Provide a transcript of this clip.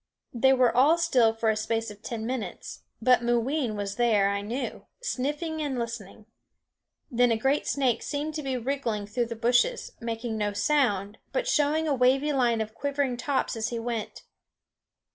They were all still for a space of ten minutes; but Mooween was there, I knew, sniffing and listening. Then a great snake seemed to be wriggling through the bushes, making no sound, but showing a wavy line of quivering tops as he went.